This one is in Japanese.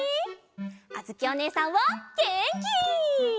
あづきおねえさんはげんき！